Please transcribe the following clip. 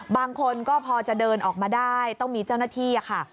บางคนก็พอจะเดินออกมาได้ต้องมีเจ้าหน้าที่ค่ะ